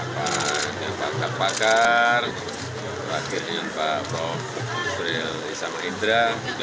pakar pakar akhirnya pak prof isama indra